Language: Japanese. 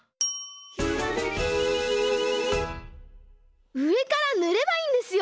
「ひらめき」うえからぬればいいんですよ！